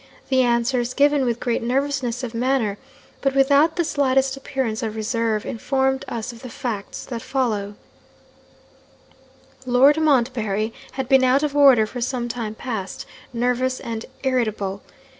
The answers, given with great nervousness of manner, but without the slightest appearance of reserve, informed us of the facts that follow: 'Lord Montbarry had been out of order for some time past nervous and irritable.